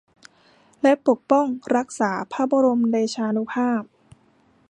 และปกป้องรักษาพระบรมเดชานุภาพ